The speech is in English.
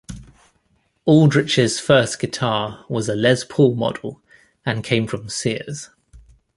Aldrich's first guitar was a Les Paul model and came from Sears.